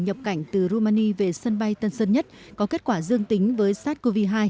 nhập cảnh từ romani về sân bay tân sơn nhất có kết quả dương tính với sars cov hai